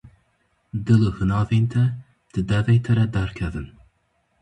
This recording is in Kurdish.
Dil û hinavên te di devê te re derkevin.